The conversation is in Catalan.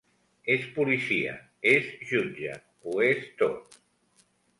És policia, és jutge, ho és tot.